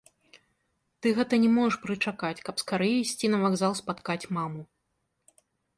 Ты гэта не можаш прычакаць, каб скарэй ісці на вакзал спаткаць маму.